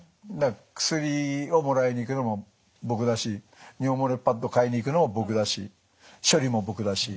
薬をもらいに行くのも僕だし尿漏れパッド買いに行くのも僕だし処理も僕だし。